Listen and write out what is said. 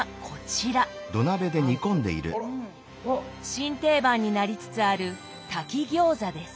新定番になりつつある「炊き餃子」です。